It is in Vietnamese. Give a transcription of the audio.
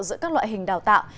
giữa các loại hình đào tạo